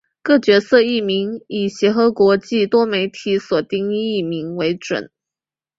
各角色译名以协和国际多媒体所定译名为准。